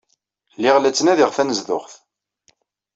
Lliɣ la ttnadiɣ tanezduɣt.